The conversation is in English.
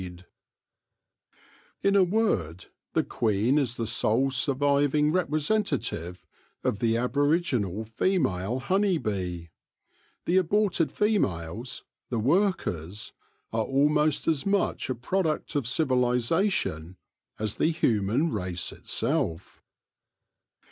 6S THE LORE OF THE HONEY BEE In a word, the queen is the sole surviving repre sentative of the aboriginal female honey bee. The aborted females, the workers, are almost as much a product of civilisation as the human race itself.